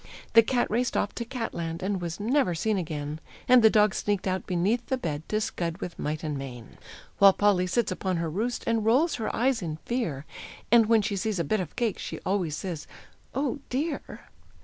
The cat raced off to cat land, and was never seen again, And the dog sneaked out beneath the bed to scud with might and main; While Polly sits upon her roost, and rolls her eyes in fear, And when she sees a bit of cake, she always says, "Oh, dear!"